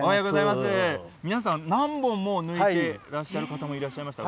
皆さん、何本も抜いてらっしゃる方もいらっしゃいました。